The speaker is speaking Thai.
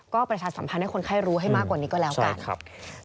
ก็ประชาสัมพันธ์ให้คนไข้รู้ให้มากกว่านี้ก็แล้วกันครับ